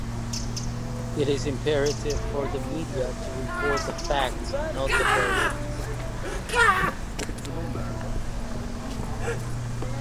It is imperative for the media to report the facts and not versions.